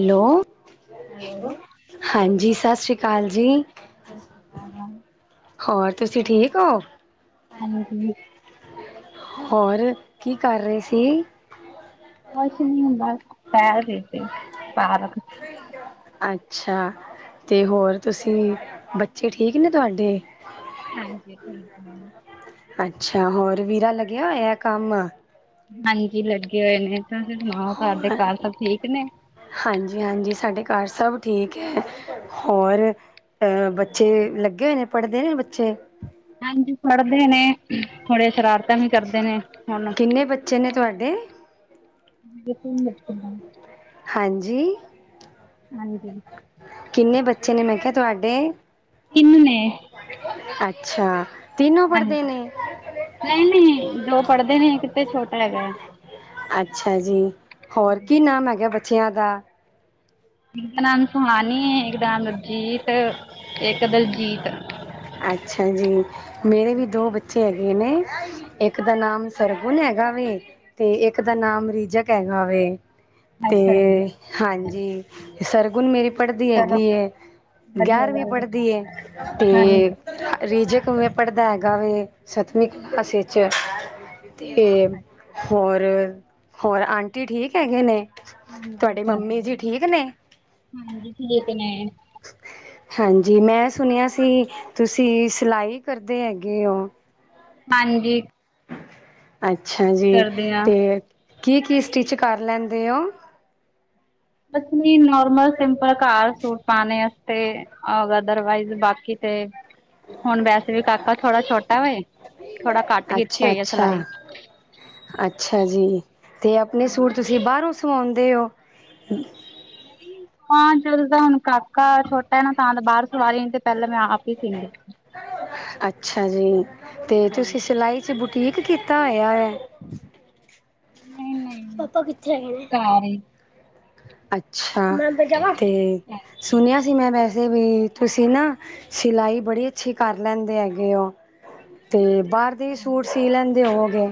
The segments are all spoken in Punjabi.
ਹੈਲੋ, ਹੈਲੋ ਹਾਂਜੀ ਸਤਿ ਸ੍ਰੀ ਆਕਾਲ ਜੀ। ਸ਼੍ਰੀ ਅਕਾਲ ਹੋਰ? ਤੁਸੀਂ ਠੀਕ ਓ। ਹਾਂਜੀ ਹੋਰ, ਕੀ ਕਰ ਰਏ ਸੀ? ਕੁੱਝ ਨੀ ਬਸ ਟਹਿਲ ਰਹੇ ਸੀ ਪਾਰਕ ਚ। ਅੱਛਾ, ਤੇ ਹੋਰ ਤੁਸੀਂ ਬੱਚੇ ਠੀਕ ਨੇ ਤੁਹਾਡੇ? ਹਾਂਜੀ, ਠੀਕ ਨੇ ਅੱਛਾ, ਹੋਰ ਵੀਰਾ ਲੱਗਿਆ ਹੋਇਆ ਕੰਮ? ਹਾਂਜੀ ਲੱਗੇ ਹੋਏ ਨੇ, ਤੁਸੀਂ ਸੁਣਾਓ ਤੁਹਾਡੇ ਹੋਰ ਘਰ ਸਭ ਠੀਕ ਨੇ? ਹਾਂਜੀ, ਹਾਂਜੀ ਸਾਡੇ ਘਰ ਸਭ ਠੀਕ ਏ ਹੋਰ ਅ ਬੱਚੇ ਲੱਗੇ ਹੋਏ ਨੇ ਪੜ੍ਹਦੇ ਨੇ ਬੱਚੇ? ਹਾਂਜੀ, ਪੜ੍ਹਦੇ ਨੇ ਥੋੜੀਆਂ ਸ਼ਰਾਰਤਾਂ ਵੀ ਕਰਦੇ ਨੇ ਹੁਨ [unintelligible] [unintelligible] ਹਾਂਜੀ। ਹਾਂਜੀ। ਕਿੰਨੇ ਬੱਚੇ ਨੇ ਮੈਂ ਕਿਹਾ ਤੁਹਾਡੇ? ਤਿੰਨ ਨੇੇ। ਅੱਛਾ। ਤਿੰਨੋਂ ਪੜ੍ਹਦੇ ਹਾਂਜੀ ਨੇ? ਨਹੀਂ ਨਹੀਂ ਦੋ ਪੜ੍ਹਦੇ ਨੇ ਇੱਕ ਤੇ ਛੋਟਾ ਹੈਗਾ ਹੈ ਅੱਛਾ ਜੀ, ਹੋਰ ਕੀ ਨਾਮ ਹੈਗਾ ਬੱਚਿਆਂ ਦਾ? ਇੱਕ ਦਾ ਨਾਮ ਸੁਹਾਨੀ, ਇੱਕ ਦਾ ਨਾਮ ਨਵਜੀਤ, ਇੱਕ ਦਲਜੀਤ। ਅੱਛਾ ਜੀ। ਮੇਰੇ ਵੀ ਦੋ ਬੱਚੇ ਹੈਗੇ ਨੇ, ਇੱਕ ਦਾ ਨਾਮ ਸਰਗੁਣ ਹੈਗਾ ਵੇ ਤੇ ਇੱਕ ਦਾ ਨਾਮ ਰੀਜਕ ਹੈਗਾ ਵੇ। ਤੇ ਅੱਛਾ ਜੀ ਹਾਂਜੀ, ਸਰਗੁਣ ਮੇਰੀ ਪੜ੍ਹਦੀ ਏ ਚਲੋ ਵਧੀਆ ਗਿਆਰਵੀਂ ਗੱਲ ਹੈ ਪੜ੍ਹਦੀ ਤੇ ਹਾਂਜੀ ਰਿਜਕ ਪੜ੍ਹਦਾ ਹੈਗਾ ਵੇ ਸੱਤਵੀਂ ਕਲਾਸੇ ਚੇ ਅਤੇ ਹੋਰ, ਹੋਰ ਆਂਟੀ ਠੀਕ ਹੈਗੇ ਨੇ? ਹਾਂਜੀ ਤੁਹਾਡੇ ਸਭ ਮੰਮੀ ਜੀ ਵਧੀਆ ਠੀਕ ਨੇ? ਹਾਂਜੀ ਠੀਕ ਨੇ। ਹਾਂਜੀ, ਮੈਂ ਸੁਣਿਆ ਸੀ ਤੁਸੀਂ ਸਿਲਾਈ ਕਰਦੇ ਹੈਗੇ ਹੋ? ਹਾਂਜੀ। ਅੱਛਾ ਜੀ, ਕਰਦੇ ਆ ਤੇ ਕੀ ਕੀ ਸਟਿਚ ਕਰ ਲੈਂਦੇ ਓ? [inaudible] ਨੋਰਮਲ, ਸਿੰਪਲ ਕਾਰ ਸੂਟ ਪਾਣੇ ਵਾਸਤੇ। ਆ ਅਦਰਵਾਈਜ਼ ਬਾਕੀ ਤੇ ਹੁਣ ਵੈਸੇ ਵੀ ਕਾਕਾ ਥੋੜਾ ਛੋਟਾ ਹੋਏ ਥੋੜਾ ਕੱਟ ਕੀਤੀ ਅੱਛਾ ਹੋਈ ਆ ਅੱਛਾ ਸਿਲਾਈ। ਅੱਛਾ ਜੀ ਤੇ ਆਪਣੇ ਸੂਟ ਹਾਂਜੀ ਤੁਸੀਂ ਬਾਹਰੋਂ ਸਵਾਉਂਦੇ ਹੋ? ਹਾਂ ਜਦ ਦਾ ਹੁਣ ਕਾਕਾ ਛੋ ਟਾ ਤਾਂ ਬਾਹਰ ਸੁਵਾ ਰੀ ਤੇ ਪਹਿਲਾਂ ਮੈਂ ਆਪ ਹੀ ਸੀਂਦੀ। ਅੱਛਾ ਜੀ, ਤੇ ਤੁਸੀਂ ਹਾਂਜੀ ਸਿਲਾਈ 'ਚ ਬੁਟੀਕ ਕੀਤਾ ਹੋਇਆ ਹੈ। ਪਾਪਾ ਕਿੱਥੇ ਹੈਗੇ ਨੇ? ਸਾਰੇ ਅੱਛਾ ਮੈਂ ਅੰਦਰ ਜਾਵਾ ਤੇ ਸੁਣਿਆ ਸੀ ਮੈਂ ਵੈਸੇ ਵੀ ਤੁਸੀਂ ਨਾ ਸਿਲਾਈ ਬੜੀ ਅੱਛੀ ਕਰ ਲੈਂਦੇ ਹੈਗੇ ਓ ਤੇ ਬਾਹਰ ਤੀ ਸੂਟ ਸੀ ਲੈਂਦੇ ਹੋਵੋਗੇ।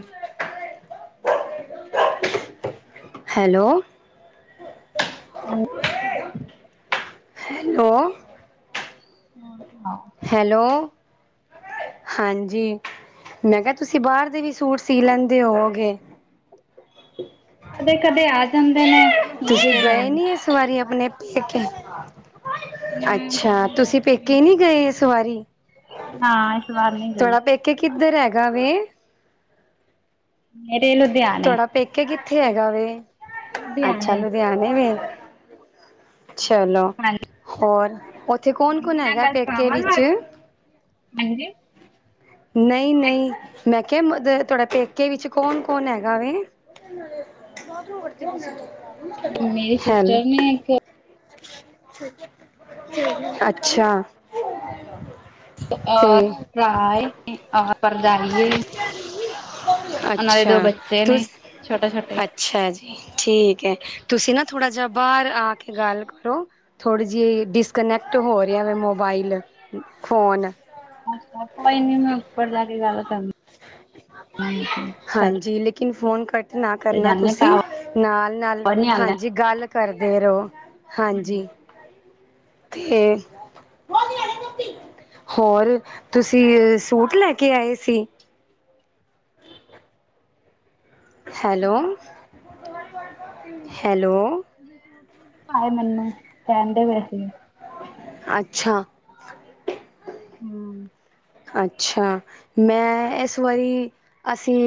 ਹੈਲੋ। [inaudible] ਹੈਲੋ। [inaudible] ਹੈਲੋ ਹਾਂਜੀ। ਮੈਂ ਕਿਆ ਤੁਸੀਂ ਬਾਰ ਦੇ ਵੀ ਸੂਟ ਸੀ ਲੈਂਦੇ ਹੋਵੋਗੇ। ਕਦੇ ਕਦੇ ਆ ਜਾਂਦੇ ਨੇ ਨਹੀਂ ਤੁਸੀਂ ਤੇ ਗਏ ਨਹੀਂ ਨੀ ਐ ਸ ਵਾਰੀ ਆਪਣੇ ਪੇਕੇ ਅੱਛਾ ਤੁਸੀਂ ਪੇਕੇ ਨੀ ਗਏ ਸ ਵਾਰੀ। ਹਾਂ ਇਸ ਵਾਰ ਨੀ ਗਈ। ਕੇ ਕਿੱਧਰ ਹੈਗਾ ਵੇ। ਮੇਰੇ ਲੁਧਿਆਣੇ ਤੁਹਾਡਾ ਪੇਕੇ ਕਿੱਥੇ ਹੈਗਾ ਵੇ ਅੱਛਾ ਲੁਧਿਆਣੇ ਲੁਧਿਆਣੇ ਵੇ। ਚਲੋ ਹਾਂਜੀ ਹੋਰ ਓ ਥੇ ਕੌਣ-ਕੌਣ ਮੰਮੀ ਨਾਲ ਹੈਗਾ ਗੱਲ ਪੇਕੇ ਵਿੱਚ ਕਰਾਵਾਂਗੇ ਹਾਂਜੀ ਨਈ-ਨਈ ਮੈਂ ਕਿਆ ਮ ਤੁਹਾਡੇ ਪੇਕੇ ਵਿੱਚ ਕੌਣ ਕੌਣ ਹੈਗਾ ਵੇ? ਮੇਰੀ ਹੈਲੋ ਸਿਸਟਰ ਨੇ ਇੱਕ ਅੱਛਾ। ਓਰ ਤੇ ਭਰਾ ਏ ਓਰ ਭਰਜਾਈ ਏ ਓਨਾ ਦੇ ਅੱਛਾ ਦੋ ਬੱਚੇ ਨੇ ਤੁਸ ਛੋਟੇ-ਛੋਟੇ ਅੱਛਾ ਜੀ ਠੀਕ ਐ ਤੁਸੀਂ ਨਾ ਥੋੜਾ ਜਾ ਬਾਰ ਆ ਕੇ ਗੱਲ ਕਰੋ ਥੋੜ੍ਹੀ ਜੀ ਡਿਸਕਨੈਕਟ ਹੋ ਰਿਆ ਵੇ ਮੋਬਾਈਲ ਫੋਨ। ਅੱਛਾ ਕੋਈ ਨੀ ਮੈਂ ਉੱਪਰ ਜਾ ਕੇ ਗੱਲ ਕਰ [inaudible] ਹਾਂਜੀ ਲੇਕਿਨ ਫੋਨ ਕੱਟ ਨਾ ਤੇ ਕਰਨਾ ਜਾਂਦੇ ਤੁਸੀਂ ਟਾਵਰ ਨਾਲ-ਨਾਲ ਨੀ ਆਂਦਾ ਹਾਂਜੀ ਗੱਲ ਕਰਦੇ ਰੋ ਹਾਂਜੀ ਤੇ ਹੋਰ ਤੁਸੀਂ ਸੂਟ ਲੈ ਕੇ ਆਏ ਸੀ? ਹੈਲੋ-ਹੈਲੋ ਆਏ ਮੈਨੂੰ ਕੈਂਦੇ ਵੇ ਸੀ। ਅੱਛਾ। ਹੂੰ। ਅੱਛਾ ਮੈਂ ਇਸ ਵਾਰੀ ਅਸੀਂ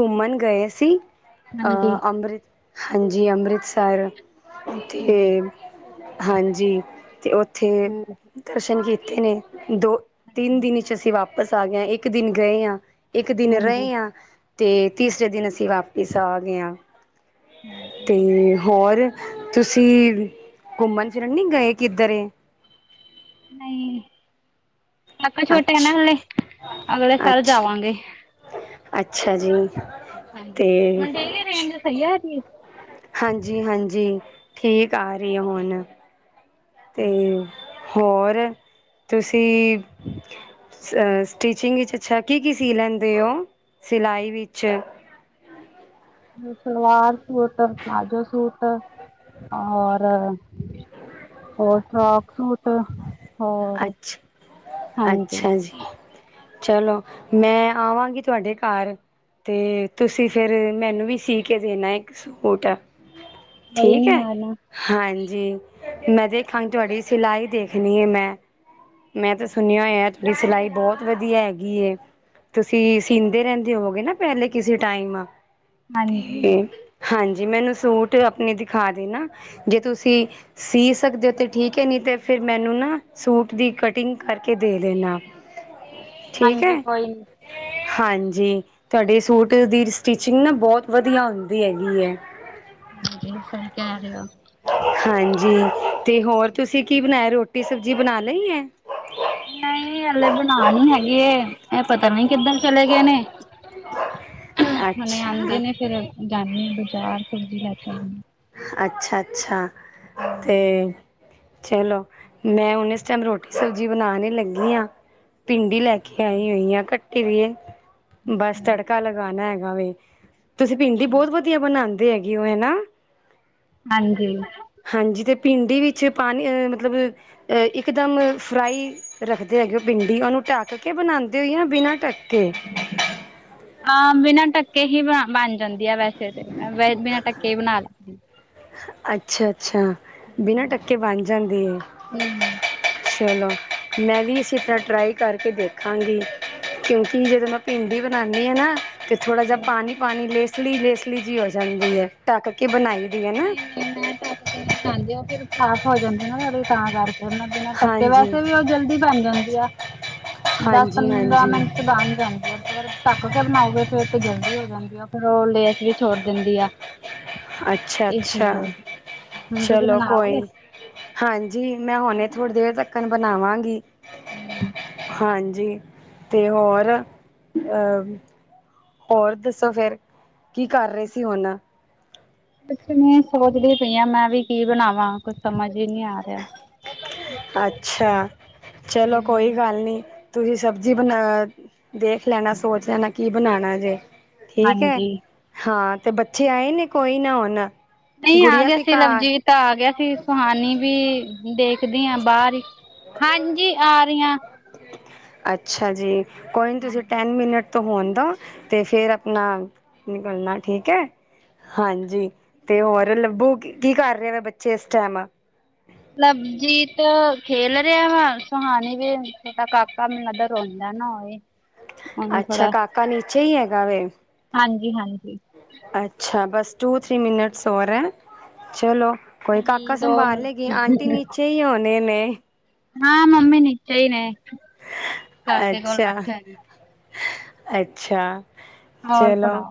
ਘੁੰਮਣ ਗਏ ਸੀ। ਅ ਹਾਂਜੀ ਅੰਮ੍ਰਿਤ ਹਾਂਜੀ ਅੰਮ੍ਰਿਤਸਰ ਅੱਛਾ ਜੀ ਤੇ ਹਾਂਜੀ ਤੇ ਓਥੇ ਹੂੰ ਦਰਸ਼ਨ ਕੀਤੇ ਨੇ। ਦੋ-ਤਿੰਨ ਦਿਨ 'ਚ ਅਸੀਂ ਵਾਪਸ ਆ ਗਿਆ ਇੱਕ ਦਿਨ ਗਏ ਆ ਇੱਕ ਦਿਨ ਹਾਂਜੀ ਰਏ ਆ ਤੇ ਤੀਸਰੇ ਦਿਨ ਅਸੀਂ ਵਾਪਿਸ ਆ ਗਏ ਹਾਂ ਤੇ ਹੋਰ ਹੋਰ ਤੁਸੀਂ ਘੁੰਮਣ ਫਿਰਨ ਨੀ ਗਏ ਕਿੱਧਰੇ? ਨਈ ਕਾਕਾ ਛੋਟੇ ਨਾ ਅੱਛਾ ਹਲੇ ਅਗਲੇ ਸਾਲ ਅੱਛਾ ਜਾਵਾਂਗੇ। ਅੱਛਾ ਜੀ। ਹਾਂਜੀ ਮੰਡੇ ਕੇ ਰੇਂਜ ਅਤੇ ਸਈ ਐ [unintelligible] ਹਾਂਜੀ-ਹਾਂਜੀ ਠੀਕ ਆ ਰਈ ਆ ਹੁਣ। ਤੇ ਹੋਰ ਤੁਸੀਂ ਸ ਸਟਿਚਿੰਗ ਵਿੱਚ ਅੱਛਾ ਕੀ-ਕੀ ਸੀ ਲੈਂਦੇ ਓ ਸਿਲਾਈ ਵਿੱਚ? ਸਲਵਾਰ ਸੂਟ, ਪਲਾਜੋ ਸੂਟ, ਔਰ ‌ਔਰ ਫਰਾਕ ਸੂਟ ਹੋਰ ਅੱਛ ਹਾਂਜੀ ਅੱਛਾ ਜੀ ਚਲੋ, ਮੈਂ ਆਵਾਂਗੀ ਤੁਹਾਡੇ ਘਰ ਤੇ ਤੁਸੀਂ ਫੇਰ ਮੈਨੂੰ ਵੀ ਸੀ ਕੇ ਦੇਣਾ ਇੱਕ ਸੂਟ ਕੋਈ ਠੀਕ ਨੀ ਹੈ। ਆਣਾ ਹਾਂਜੀ, ਮੈਂ ਦੇਖਾਂ ਤੁਹਾਡੀ ਸਿਲਾਈ ਦੇਖਣੀ ਹੈ ਮੈਂ ਮੈਂ ਤੇ ਸੁਨਿਆ ਹੋਇਆ, ਤੁਹਾਡੀ ਸਿਲਾਈ ਬੌਤ ਵਧੀਆ ਹੈਗੀ ਏ। ਤੁਸੀਂ ਸੀਂਦੇ ਰਹਿੰਦੇ ਹੋਵੋਗੇ ਨਾ ਪਹਿਲੇ ਕਿਸੇ ਟਾਈਮ ਹਾਂਜੀ ਤੇ ਹਾਂਜੀ, ਮੈਨੂੰ ਸੂਟ ਆਪਨੇ ਦਿਖਾ ਦੇਨਾ ਜੇ ਤੁਸੀਂ ਸੀ ਸਕਦੇ ਹੋ ਤੇ ਠੀਕ ਹੈ, ਨ‌ਈ ਤੇ ਫੇਰ ਮੈਨੂੰ ਨਾ ਸੂਟ ਦੀ ਕਟਿੰਗ ਕਰਕੇ ਦੇ ਦੇਨਾ, ਠੀਕ ਹੈ। ਹਾਂਜੀ ਕੋਈ ਨੀ ਹਾਂਜੀ ਤੁਹਾਡੇ ਸੂਟ ਦੀ ਸਟਿਚਿੰਗ ਨਾ ਬਹੁਤ ਵਧੀਆ ਹੁੰਦੀ ਹੈਗੀ ਹੈ। ਹਾਂ, ਸਹੀ ਕਹਿ ਰਹੇ ਹੋ। ਹਾਂਜੀ--ਤੇ ਹੋਰ ਤੁਸੀਂ ਕੀ ਬਨਾਇਆ। ਰੋਟੀ, ਸਬਜ਼ੀ ਬਨਾ ਲਈ ਹੈ। ਨ‌ਈ ਹਲੇ ਬਣਾ ਨੀ ਹੈਗੇ ਇਹ ਪਤਾ ਨੀ ਕਿੱਧਰ ਚਲੇ ਗਏ ਨੇ [inaudible] ਹੁਨੇ ਆਂਦੇ ਅੱਛਾ ਨੇ ਫੇਰ ਜਾਨੇ ਬਜ਼ਾਰ। ਸਬਜ਼ੀ ਲੈ ਕੇ ਆਨੀ ਅੱਛਾ, ਅੱਛਾ ਤੇ ਚਲੋ, ਮੈਂ ਹੁਨ ਇਸ ਟਾਈਮ ਰੋਟੀ ਸਬਜ਼ੀ ਬਨਾਨ ਈ ਲੱਗੀ ਆਂ। ਪਿੰਡੀ ਲੈ ਕੇ ਆਈ ਹੋਈ ਆ ਕ [unintelligible] ਬਸ, ਤੜਕਾ ਲਗਾਨਾ ਹੈਗਾ ਵੇ। ਤੁਸੀਂ ਭਿੰਡੀ ਬਹੁਤ ਵਧੀਆ ਬਨਾਨ ਤੇ ਹੈਗੀ ਹੋ‌ਏ ਹੈ ਨਾ ਹਾਂਜੀ ਹਾਂਜੀ ਤੇ ਭਿੰਡੀ ਵਿੱਚ ਪਾਨੀ ਅ ਮਤਲਬ। ਇੱਕਦਮ ਫਰਾਈ ਰੱਖਦੇ ਹੈਗੇ ਓ ਭਿੰਡੀ ਉਨੂੰ ਢੱਕ ਕੇ ਬਨਾਦੇ ਹੋਏ ਯਾ ਬਿਨਾਂ ਟੱਕ ਕੇ। ਹਾਂ, ਬਿਨਾਂ ਟੱਕਕੇ ਹੀ ਬਨ ਜਾਂਦੀ ਆ, ਵੈਸੇ ਤੇੈ ਬਿਨਾਂ ਟੱਕਕੇ ਹੀ ਬਨਾ ਲੈਂਦੇ। ਅੱਛਾ-ਅੱਛਾ। ਬਿਨਾਂ ਹੂੰ, ਟੱਕਕੇ ਬਣ ਜਾਂਦੇ ਐ। ਚਲੋ, ਮੈਂ ਵੀ ਇਸੇ ਤਰ੍ਹਾਂ ਟਰਾਈ ਕਰਕੇ ਦੇਖਾਂਗੀ। ਕਿਉਂਕਿ ਜਦੋਂ ਮੈਂ ਭਿੰਡੀ ਬਨਾਨੀ ਆ ਨਾ ਤੇ ਥੋੜਾ ਜਿਹਾ ਪਾਨੀ-ਪਾਨੀ, ਲੇਸਲੀ-ਲੇਸਲੀ ਜੀ ਹੋ ਜਾਂਦੀ ਏ, ਢੱਕ ਕੇ ਬਣਾਈ ਦੀ ਹੈ ਨਾ ਨ‌ਈ- ਨ‌ਈ। ਮੈਂ ਟੱਕ ਕੇ ਨੀ ਬਨਾਦੀ, ਉਹ ਫੇਰ ਸਾਫ਼ ਹੋ ਜਾਂਦੇ ਤਾਂ ਕਰਕੇ ਤੇ ਮੈਂ ਬਿਨਾਂ ਪੱਕੇ ਹਾਂਜੀ ਵੈਸੇ ਵੀ ਓ ਜਲਦੀ ਬਨ ਜਾਂਦੀ ਏ। ਦਸ, ਹਾਂਜੀ ਪੰਦਰਾਂ ਹਾਂਜੀ ਮਿੰਟ ਚ ਬਣ ਜਾਂਦੀ ਏ। ਅਗਰ ਟਕ ਕੇ ਬਨਾਓਗੇ ਤੇ ਫੇਰ ਜਲਦੀ ਹੋ ਜਾਂਦੀ ਆ, ਫੇਰ ਓ ਲੇਸ ਵੀ ਛੋੜ ਦਿੰਦੀ ਆ। ਇਸ ਅੱਛਾ-ਅੱਛਾ। ਲਈ ਹੁਣ ਤੁਸੀਂ ਚਲੋ, ਕੋਈ ਬਣਾਓਗੇ? ਨੀ ਹਾਂਜੀ, ਮੈਂ ਹੁਨੇ ਥੋੜ੍ਹੀ ਦੇਰ ਤੱਕਰ ਬਨਾਵਾਂਗੀ। ਹਾਂਜੀ, ਤੇ ਹੋਰ ਅ ਹੋਰ ਦੱਸੋ, ਫੇਰ ਕੀ ਕਰ ਰਹੇ ਸੀ? ਹੁਨ ਕੁਛ ਨੀ ਸੋਚਦੀ ਪਈ ਆ, ਮੈਂ ਵੀ ਕੀ ਬਨਾਵਾਂ, ਕੁਛ ਸਮਝ ਈ ਨੀ ਆ ਰਿਹਾ। ਅੱਛਾ। ਚਲੋ, ਕੋਈ ਹੂੰ ਗੱਲ ਨੀ। ਤੁਹੀਂ ਸਬਜੀ ਬਨਾ--ਦੇਖ ਲੈਣਾ, ਸੋਚ ਲੈਣਾ ਕੀ ਬਨਾਨਾ ਜੇ। ਠੀਕ ਹੈ। ਹਾਂਜੀ। ਹਾਂ, ਤੇ ਬੱਚੇ ਆਏ ਨੇ, ਕੋਈ ਨਾ ਹੁਨ ਨ‌ਈ, ਆ ਗਿਆ ਸੀ। ਲਵਜੀਤ ਆ ਗਿਆ ਸੀ, ਸੁਹਾਨੀ ਵੀ‌ ਦੇਖਦੀ ਹਾਂ ਬਾਹਰ ਹਾਂਜੀ, ਆ ਰਹੀਆਂ। ਅੱਛਾ ਜੀ, ਕੋਈ ਨੀ ਤੁਸੀਂ ਟੈਨ ਮਿੰਨਟ ਹੋਣ ਦੋ ਤੇ ਫੇਰ ਆਪਣਾ, ਨਿਕਲਣਾ ਠੀਕ ਐ, ਹਾਂਜੀ। ਤੇ ਹੋਰ ਲੱਭੂ, ਕੀ ਕਰ ਰਹੇ ਨੇ ਬੱਚੇ ਇਸ ਟਾਈਮ? ਲਬਜੀਤ ਖੇਲ ਰਿਹਾ ਵਾ, ਸੁਹਾਣੀ ਵੀ ਛੋਟਾ ਕਾਕਾ ਮੈਨੂੰ ਲਗਦਾ ਰੋਂਦਾ ਨਾ ਹੋਵੇ। ਉਹਨੂੰ ਅੱਛਾ, ਥੋੜਾ ਕਾਕਾ ਨੀਚੇ ਹੀ ਹੈਗਾ ਵੇ। ਹਾਂਜੀ ਹਾਂਜੀ ਅੱਛਾ, ਬਸ ਟੂ-ਥ੍ਰਰੀ ਮਿੰਨਤ ਹੋਰ ਹੈ, ਚਲੋ ਕੋਈ ਕਾਕਾ ਹਮ ਦੋ ਸੰਭਾਲ ਲੇਗੀ, ਆਂਟੀ ਨੀਚੇ ਹੀ ਹੋਣੇ ਨੇ। ਹਾਂ, ਮੰਮੀ ਨੀਚੇ ਨੇ। ਕਾਕੇ ਕੋਲ ਅੱਛਾ- ਬੈਠੇ ਨੇ ਅੱਛਾ, ਹੋਰ ਚਲੋ। ਸੁਣਾਓ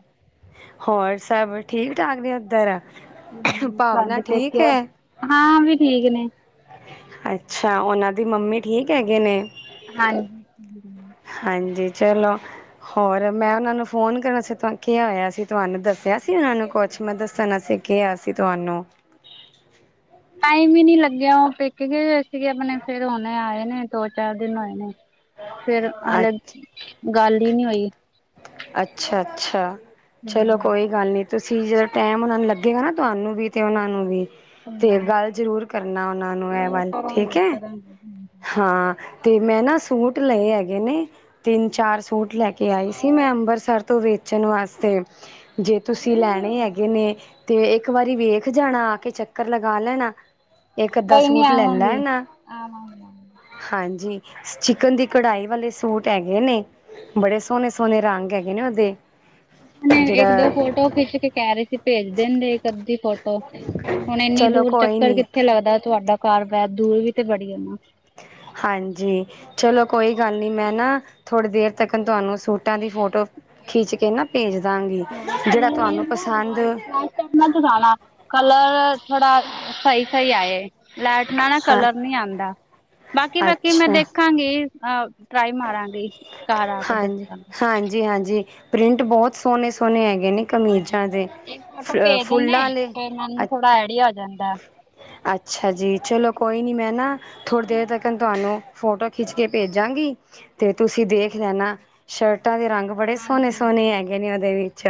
ਹੋਰ ਸਭ ਠੀਕ ਠਾਕ ਨੇ ਉੱਧਰ? ਹਮ, ਭਾਵਨਾ ਤੁਹਾਡੇ ਠੀਕ ਪੇਕਿਆ? ਹੈ ਹਾਂ, ਓ ਵੀ ਠੀਕ ਨੇ। ਅੱਛਾ, ਉਹਨਾਂ ਦੀ ਮੰਮੀ ਠੀਕ ਹੈਗੇ ਨੇ? ਹਾਂਜੀ। ਹਾਂਜੀ, ਚਲੋ। ਹੋਰ, ਮੈਂ ਉਹਨਾਂ ਨੂੰ ਫੋਨ ਕਰਨਾ ਸੀ ਕਿਹਾ ਹੋਇਆ ਸੀ, ਤੁਹਾਨੂੰ ਦੱਸਿਆ ਸੀ ਉਹਨਾਂ ਨੂੰ ਕੁਛ ਮੈਂ ਦੱਸਣਾ ਸੀ। ਕਿਹਾ ਸੀ ਤੁਹਾਨੂੰ। ਟਾਈਮ ਹੀ ਨੀ ਲੱਗਿਆ, ਉਹ ਪੇਕੇ ਗਏ ਹੋਏ ਸੀ ਆਪਣੇ, ਫਿਰ ਹੁਣੇ ਆਏ ਨੇ, ਦੋ -ਚਾਰ ਦਿਨ ਹੋਏ ਨੇ‌। ਫਿਰ ਅੱ ਹਲੇੇ, ਗੱਲ ਹੀ ਨਹੀਂ ਹੋਈ। ਅੱਛਾ- ਅੱਛਾ, ਚਲੋ, ਹੂੰ। ਕੋਈ ਗੱਲ ਨੀ। ਤੁਸੀਂ ਜਦੋਂ ਟਾਈਮ ਉਹਨਾ ਨੂੰ ਲੱਗੇਗਾ ਨਾ, ਤੁਹਾਨੂੰ ਵੀ ਤੇ ਉਹਨਾ ਨੂੰ ਵੀ ਹੂੰ। ਤੇ ਗੱਲ ਜ਼ਰੂਰ ਕਰਨਾ ਉਹਨਾਂ ਨੂੰ ਐ ਵਾਲੀ ਠੀਕ ਐ। ਹਾਂਜੀ-ਹਾਂਜੀ ਹਾਂ, ਤੇ ਮੈਂ ਨਾ ਸੂਟ ਲਏ ਹੈਗੇ ਨੇ, ਤਿੰਨ -ਚਾਰ ਸੂਟ ਲੈ ਕੇ ਆਈ ਸੀ ਆਓ ਮੈਂ ਅੰਬਰਸਰ ਤੋਂ ਵੇਚਣ ਵਾਸਤੇ, ਜੇ ਤੁਸੀਂ ਇੰਨੀ ਲੈਣੇ ਦੂਰੋਂ। ਹੈਗੇ ਨੇ ਤੇ ਇੱਕ ਵਾਰੀ ਵੇਖ ਜਾਣਾ, ਆ ਕੇ ਚੱਕਰ ਲਗਾ ਲੈਣਾ, ਇੱਕ- ਅੱਧਾ ਸੂਟ ਲੈ ਲੈਣਾ। ਆਵਾਂਗੇ। ਹਾਂਜੀ। ਚਿਕਨ ਦੀ ਕਢਾਈ ਵਾਲੇ ਸੂਟ ਹੈਗੇ ਨੇ। ਬੜੇ ਸੋਹਣੇ- ਸੋਹਣੇ ਰੰਗ ਹੈਗੇ ਨੇ ਉਹਦੇ। ਉਹਨੇ ਇੱਕ-ਦੋ ਜਿਹੜਾ ਫੋਟੋ ਖਿੱਚ ਕੇ ਕਹਿ ਰਹੇ ਸੀ ਭੇਜ ਦੇਦੇ ਇੱਕ -ਅੱਧੀ ਫੋਟੋ। ਹੁਣ ਏਨੀ ਚਲੋ ਦੂਰ ਕੋਈ ਚੱਕਰ ਨੀ ਕਿੱਥੇ ਲੱਗਦਾ, ਤੁਹਾਡਾ ਘਰ ਬਾਰ ਦੂਰ ਵੀ ਤੇ ਬੜੀ ਹੈ ਨਾ। ਹਾਂਜੀ। ਚਲੋ ਕੋਈ ਗੱਲ ਨੀ ਮੈਂ ਨਾ, ਥੋੜੀ ਦੇਰ ਤੱਕ ਤੁਹਾਨੂੰ ਸੂਟਾਂ ਦੀ ਫੋਟੋ, ਖਿੱਚ ਕੇ ਨਾ ਭੇਜ ਦਾਂਗੀ, ਜਿਹੜਾ ਤੁਹਾਨੂੰ ਪਸੰਦ ਜਾਣਾ, ਕਲਰ ਥੋੜਾ ਸਈ- ਸਈ ਆਏ। ਲੈਟ ਨਾਲ ਹਾਂ ਕਲਰ ਨੀ ਆਂਦਾ, ਬਾਕੀ-ਬਾਕੀ ਮੈਂ ਅੱਛਾ ਦੇਖ ਖਾਂਗੀਂ, ਆ ਟਰਾਈ ਮਾਰਾਂਗੀ, ਘਰ ਆ ਕੇ ਦੱਸਾਂਗੇ। ਹਾਂਜੀ-ਹਾਂਜੀ ਪ੍ਰਿੰਟ ਬਹੁਤ ਸੋਹਣੇ-ਸੋਹਣੇ ਹੈਗੇ ਨੇ ਕਮੀਜ਼ਾਂ ਦੇ। ਇੱਕ ਫੋਟੋ ਸ ਭੇਜ ਫੁੱਲਾਂ ਦਿੰਦੇ ਆਲੇ। ਫੇਰ ਮੈਨੂੰ ਥੋੜਾ ਐਡੀਆ ਹੋ ਜਾਂਦਾ। ਅੱਛਾ ਜੀ, ਚਲੋ ਕੋਈ ਨਹੀਂ ਮੈਂ ਨਾ ਥੋੜ੍ਹੀ ਦੇਰ ਤਾਕਨ ਤੁਹਾਨੂੰ ਫੋਟੋ ਖਿੱਚ ਕੇ ਭੇਜਾਂਗੀ। ਤੇ ਤੁਸੀਂ ਦੇਖ ਲੈਣਾ, ਸ਼ਰਟਾਂ ਦੇ ਰੰਗ ਬੜੇ ਸੋਹਣੇ- ਹਾਂਜੀ ਸੋਹਣੇ ਹੈਗੇ ਨੇ ਉਦੇ ਵਿੱਚ।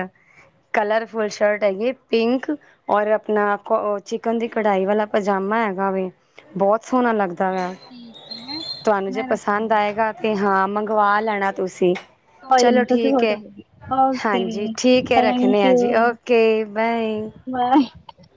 ਕਲਰਫੁਲ ਸ਼ਰਟ ਹੈਗੀ ਐਂ, ਪਿੰਕ ਔਰ ਆਪਣਾ ਕੋ ਚਿਕਨ ਦੀ ਕਢਾਈ ਵਾਲਾ ਪਜਾਮਾ ਹੈਗਾ ਵੈ, ਬਹੁਤ ਸੋਹਣਾ ਲੱਗਦਾ। ਚਲੋ ਵੈ ਠੀਕ ਹੈ, ਹੈ ਤੁਹਾਨੂੰ ਜੇ ਮੈਂ ਰੱਖਦੀ ਪਸੰਦ ਹਾਂ। ਆਏਗਾ ਤੇ ਹਾਂ ਮੰਗਵਾ ਲੈਣਾ ਤੁਸੀਂ। ਕੋਈ ਚਲੋ ਨੀ ਤੁਸੀਂ ਠੀਕ ਫੋਟੋ ਹੈ, ਭੇਜੋ ਹਾਂਜੀ ਓਕੇ ਠੀਕ ਹੈ, ਰੱਖਨੇ ਥੈਂਕ ਆਂ ਯੂ ਜੀ ਓਕੇ ਬਾਏ। [unintelligible]